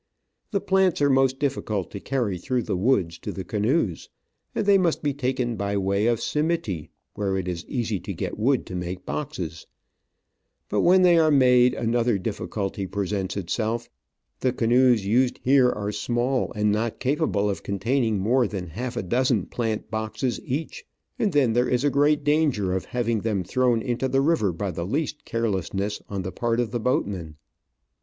The plants are most difficult to carry through the woods to the canoes, and they must be taken by way of Simiti, where it is easy to get wood to make boxes ; but when they are made another difficulty presents itself. The canoes used here are small, and not capable of Digitized by VjOOQIC 200 Travels and Adventures containing more than half a dozen plant boxes each,' and then there is a great danger of having them thrown into the river by the least carelessness on the part of the boatmen.